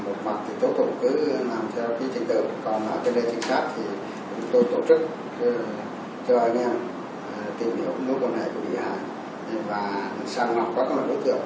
lúc này có rất nhiều thông tin liên quan về nạn nhân